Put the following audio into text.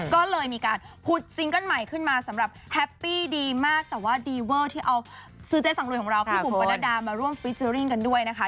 ก็เลยมีการผุดซิงเกิ้ลใหม่ขึ้นมาสำหรับแฮปปี้ดีมากแต่ว่าดีเวอร์ที่เอาซื้อเจ๊สังลุยของเราพี่บุ๋มประนัดดามาร่วมฟิเจอร์ริ่งกันด้วยนะคะ